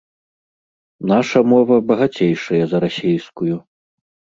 Наша мова багацейшая за расейскую.